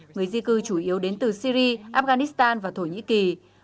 người di cư chủ yếu đến từ syri afghanistan và thổ nhĩ kỳ